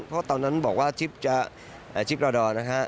เพราะตอนนั้นบอกว่าจิปบ๊าวดอก